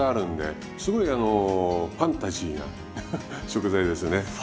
すごいあのファンタジーな食材ですよね。